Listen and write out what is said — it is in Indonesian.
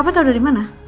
ya papa dengar dari mana